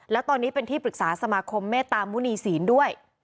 แล้วตอนนี้เป็นที่ปรึกษาสมาคมเมตตามุณีศีลด้วย